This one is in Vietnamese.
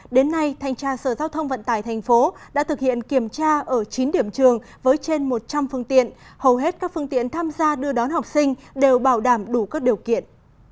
đến nay thanh tra sở giao thông vận tải thành phố đã thực hiện kiểm tra ở chín điểm trường với trên một trăm linh phương tiện hầu hết các phương tiện tham gia đưa đón học sinh đều bảo đảm đủ các điều kiện